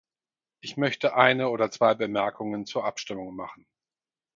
Ich möchte eine oder zwei Bemerkungen zur Abstimmung machen.